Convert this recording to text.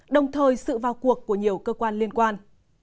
đồng thời sự vào cuộc của nhiều cơ quan liên quan